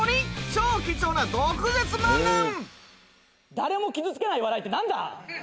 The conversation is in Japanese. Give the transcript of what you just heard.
誰も傷つけない笑いって何だ？